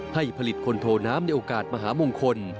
ให้ผลิตคนโทน้ำในโอกาสมหามงคล